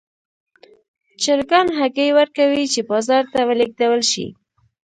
چرګان هګۍ ورکوي چې بازار ته ولېږدول شي.